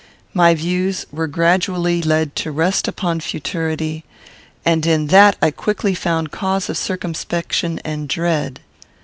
My views were gradually led to rest upon futurity, and in that I quickly found cause of circumspection and dread.